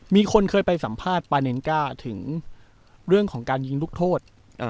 มีคนเคยไปสัมภาษณ์ปาเนนก้าถึงเรื่องของการยิงลูกโทษ